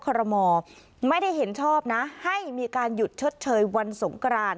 ขอรมอไม่ได้เห็นชอบนะให้มีการหยุดชดเชยวันสงกราน